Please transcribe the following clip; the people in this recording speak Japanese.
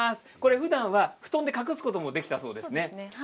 ふだんは布団で隠すこともできたそうですね。